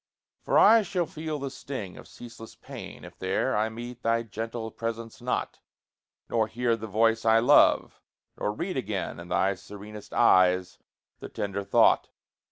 For I shall feel the sting of ceaseless pain If there I meet thy gentle presence not; Nor hear the voice I love, nor read again In thy serenest eyes the tender thought.